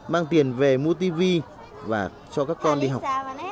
mang tiền về mua tv và cho các con đi học